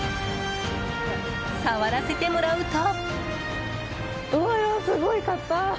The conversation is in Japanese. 触らせてもらうと。